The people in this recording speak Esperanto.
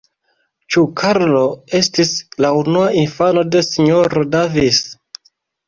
Ĉu Karlo estis la unua infano de S-ro Davis?